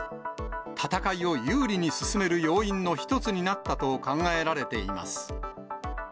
戦いを有利に進める要因の一つになったと考えられています。